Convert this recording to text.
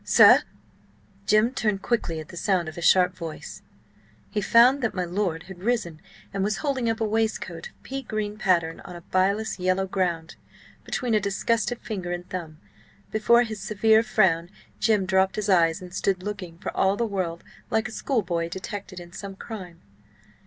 "Sir!" Jim turned quickly at the sound of the sharp voice. He found that my lord had risen, and was holding up a waistcoat of pea green pattern on a bilious yellow ground, between a disgusted finger and thumb. Before his severe frown Jim dropped his eyes and stood looking for all the world like a schoolboy detected in some crime.